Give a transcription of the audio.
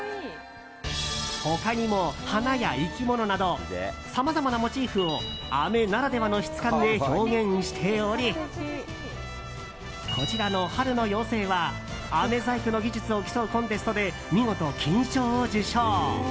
他にも花や生き物などさまざまなモチーフをあめならではの質感で表現しておりこちらの「春の妖精」はあめ細工の技術を競うコンテストで見事、金賞を受賞。